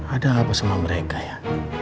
ada apa sama mereka ya